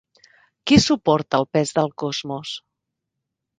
Qui suporta el pes del cosmos?